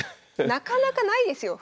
なかなかないですよ